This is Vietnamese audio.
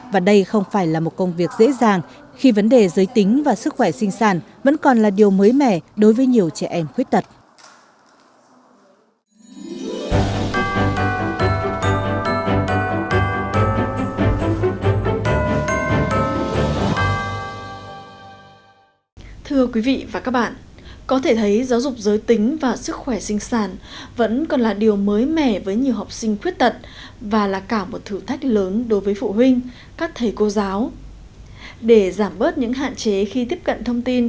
và đây không phải là một công việc dễ dàng khi vấn đề giới tính và sức khỏe sinh sản vẫn còn là điều mới mẻ đối với nhiều trẻ em khuyết tật